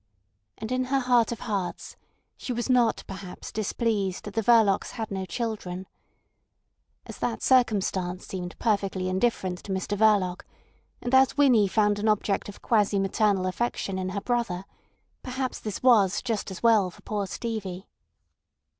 And in her heart of hearts she was not perhaps displeased that the Verlocs had no children. As that circumstance seemed perfectly indifferent to Mr Verloc, and as Winnie found an object of quasi maternal affection in her brother, perhaps this was just as well for poor Stevie.